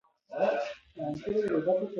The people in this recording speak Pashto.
افغانستان خپلواک هیواد دی.